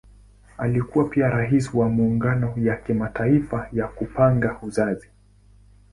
Alikuwa pia Rais wa Muungano ya Kimataifa ya Kupanga Uzazi.